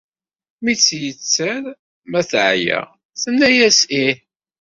Mi tt-yetter ma teɛya, tenna-as ih.